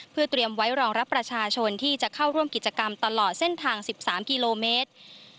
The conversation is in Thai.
เพื่อเตรียมไว้รองรับประชาชนที่จะเข้าร่วมกิจกรรมตลอดเส้นทาง๑๓กิโลเมตร